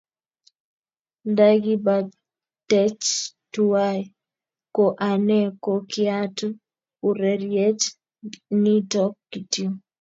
ndakibartech tuwai ko anee ko kiatuu ureriet nitok kityo